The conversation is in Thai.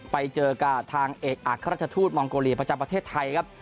ไปเจอกับทางเอกอัครราชทูตมองโกเลียประจำประเทศไทยครับ